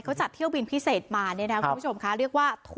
เขาจัดเที่ยวบินพิเศษมา